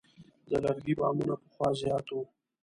د لرګي بامونه پخوا زیات وو.